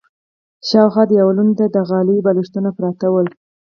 شاوخوا دېوالونو ته د غالیو بالښتونه پراته ول.